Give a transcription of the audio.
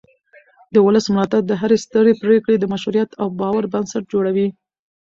د ولس ملاتړ د هرې سترې پرېکړې د مشروعیت او باور بنسټ جوړوي